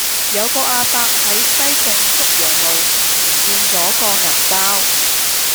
有個亞伯喺西貢竹洋路唔見左個銀包